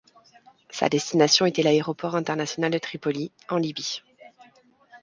Sa destination était l'aéroport international de Tripoli, en Libye.